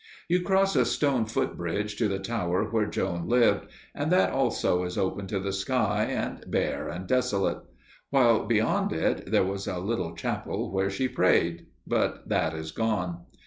You cross a stone foot bridge to the tower where Joan lived, and that also is open to the sky and bare and desolate. While, beyond it, there was a little chapel where she prayed, but that is gone.